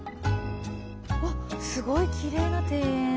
すごいきれいな庭園。